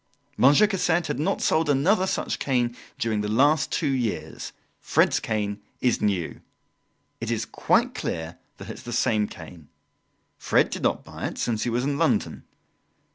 Monsieur Cassette had not sold another such cane during the last two years. Fred's cane is new. It is quite clear that it's the same cane. Fred did not buy it, since he was in London.